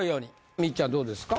みっちゃんどうですか？